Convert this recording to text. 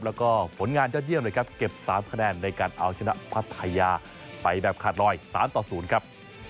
แล้วก็ผลงานยอดเยี่ยมเลยครับเก็บ๓คะแนนในการเอาชนะพัทยาไปแบบขาดลอย๓ต่อ๐ครับ